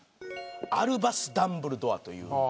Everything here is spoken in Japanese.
アルバス・ダンブルドア。